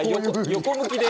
横向きで。